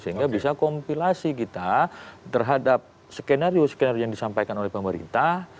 sehingga bisa kompilasi kita terhadap skenario skenario yang disampaikan oleh pemerintah